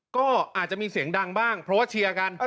ก็อาจจะมีเสียงดังบ้างเพราะว่าเชียร์กัน